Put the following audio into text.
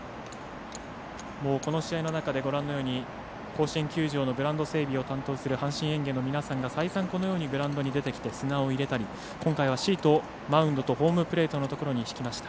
この試合の中で、ご覧のように甲子園球場のグラウンド整備を担当する阪神園芸の皆さんが再三グラウンドに出てきて砂を入れたり今回はシートをマウンドとホームプレートのところに敷きました。